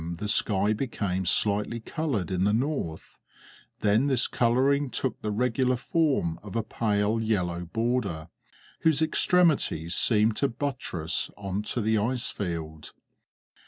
the sky became slightly coloured in the north; then this colouring took the regular form of a pale yellow border, whose extremities seemed to buttress on to the ice field.